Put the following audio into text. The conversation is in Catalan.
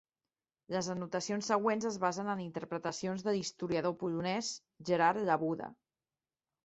Les anotacions següents es basen en interpretacions de l'historiador polonès Gerard Labuda.